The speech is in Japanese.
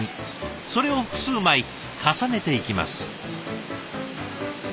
それを複数枚重ねていきます。